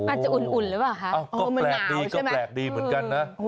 อาจจะอุ่นหรือเปล่าคะก็แปลกดีเหมือนกันนะ